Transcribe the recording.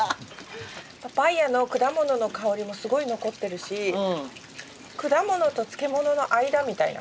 パパイアの果物の香りもすごい残ってるし果物と漬物の間みたいな。